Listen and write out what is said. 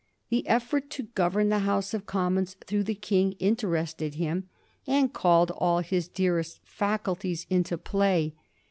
The effort to govern the House of Commons through the King interested him, and called all his dearest faculties into play.